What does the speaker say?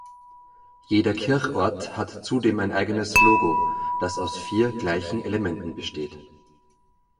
Jeder Kirchort hat zudem ein eigenes Logo, das aus vier gleichen Elementen besteht.